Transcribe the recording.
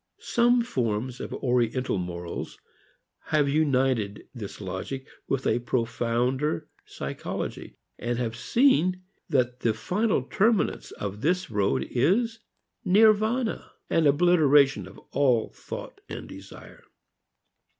Some forms of Oriental morals have united this logic with a profounder psychology, and have seen that the final terminus on this road is Nirvana, an obliteration of all thought and desire.